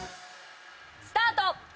スタート！